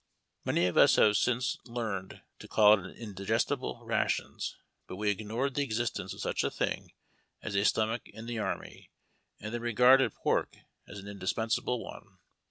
Many of us have since learned to call it an indisrestible ration, but we ignored the existence of such a thing as a stomach in the army, and then regarded pork as an indispensable one.